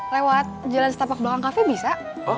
lewat jalan setapak belakang kafe bisa